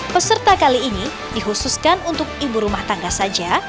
peserta kali ini dikhususkan untuk ibu rumah tangga saja